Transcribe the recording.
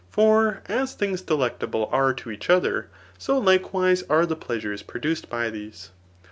For as things delectable are to each other, so likewise are the [Measures produced by these.